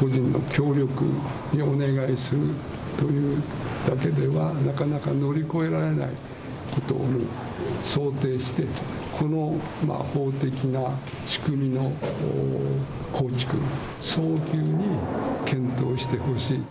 個人の協力にお願いするというだけでは、なかなか乗り越えられないことを想定して、この法的な仕組みの構築、早急に検討してほしい。